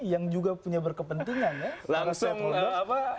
ini juga punya berkepentingan ya langsung apa